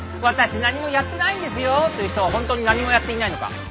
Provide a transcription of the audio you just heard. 「私何もやってないんですよ」と言う人はホントに何もやっていないのか？